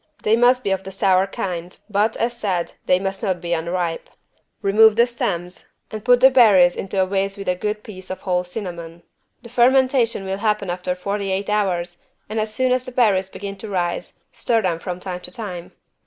They must be of the sour kind but, as said, they must not be unripe. Remove the stems and put the berries into a vase with a good piece of whole cinnamon. The fermentation will happen after 48 hours and as soon as the berries begin to rise, stir them from time to time.